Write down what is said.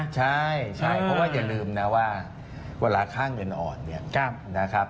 ใช่ใช่เพราะว่าอย่าลืมนะว่าเวลาค่าเงินอ่อนเนี่ยนะครับ